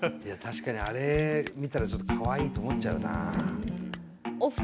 確かにあれ見たらちょっとかわいいと思っちゃうなあ。